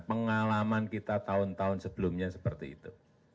pengalaman kita tahun tahun sebelumnya seperti itu